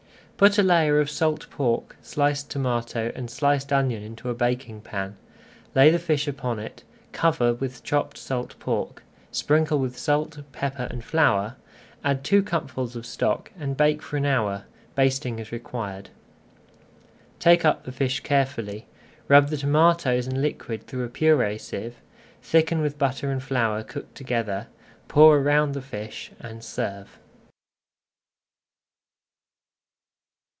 Put a layer of salt pork, sliced tomato, and sliced onion into a baking pan, lay the fish upon it, cover with chopped salt pork, sprinkle with salt, pepper, and flour, add two cupfuls of stock and bake for an hour, basting as [Page 260] required. Take up the fish carefully, rub the tomatoes and liquid through a purée sieve, thicken with butter and flour cooked together, pour around the fish, and serve.